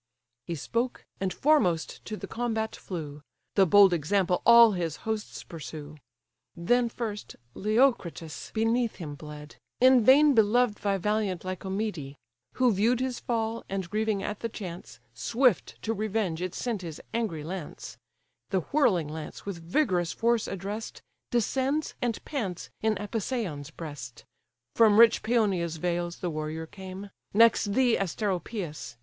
He spoke, and foremost to the combat flew: The bold example all his hosts pursue. Then, first, Leocritus beneath him bled, In vain beloved by valiant Lycomede; Who view'd his fall, and, grieving at the chance, Swift to revenge it sent his angry lance; The whirling lance, with vigorous force address'd, Descends, and pants in Apisaon's breast; From rich Paeonia's vales the warrior came, Next thee, Asteropeus!